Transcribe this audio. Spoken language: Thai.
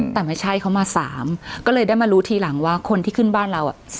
แต่ไม่ใช่เขามา๓ก็เลยได้มารู้ทีหลังว่าคนที่ขึ้นบ้านเรา